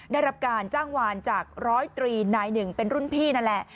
ได้รับการจ้างวานจากร้อยตรีนายหนึ่งเป็นรุ่นพี่นั่นแหละ